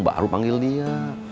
baru panggil dia